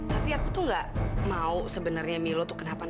tapi aku tuh nggak mau sebenarnya milo tuh keterlaluan